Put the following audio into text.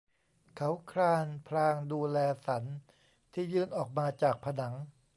เขาคลานพลางดูแลสันที่ยื่นออกมาจากผนัง